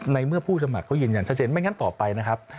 ในเมื่อผู้สมัครเขายืนยันชัดเจนไม่งั้นต่อไปนะครับ